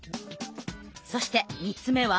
そして３つ目は。